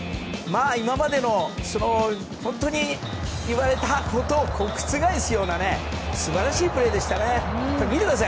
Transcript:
今まで言われたことを覆すような素晴らしいプレーでしたね。